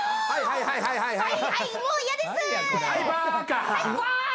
はいはい。